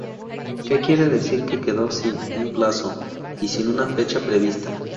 Que quiere decir que quedó sin un plazo, y sin una fecha prevista.